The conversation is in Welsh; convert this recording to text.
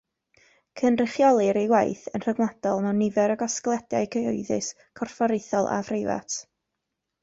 Cynrychiolir ei waith yn rhyngwladol mewn nifer o gasgliadau cyhoeddus, corfforaethol a phreifat.